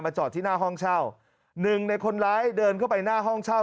จอดที่หน้าห้องเช่าหนึ่งในคนร้ายเดินเข้าไปหน้าห้องเช่า